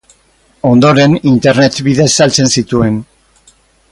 Ondoren, internet bidez saltzen zituen.